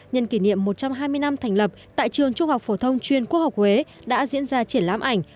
nhân kỷ niệm một trăm hai mươi năm thành lập tại trường trung học phổ thông chuyên quốc học huế đã diễn ra triển lãm ảnh